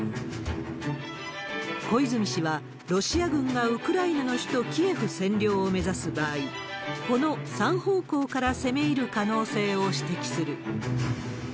小泉氏はロシア軍がウクライナの首都キエフ占領を目指す場合、この３方向から攻め入る可能性を指摘する。